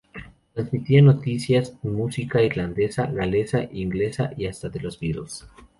Transmitía noticias y música irlandesa, galesa, inglesa y hasta de Los Beatles.